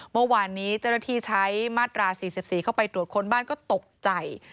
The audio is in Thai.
เมื่อวานนี้เจ้าหน้าที่ใช้มาตรา๔๔เข้าไปตรวจค้นบ้านก็ตกใจ